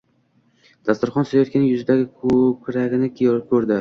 Dasturxon tuzayotgan yuzidagi ko‘karig‘ni ko‘rdi.